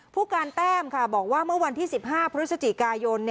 ผู้การแต้มบอกว่าเมื่อวันที่๑๕พฤศจิกายน